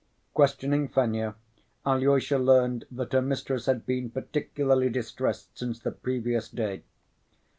Questioning Fenya, Alyosha learned that her mistress had been particularly distressed since the previous day.